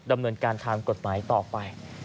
ดำเนินการทางกฎหมายต่อไป